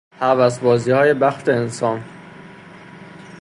هوسبازیهای بخت انسان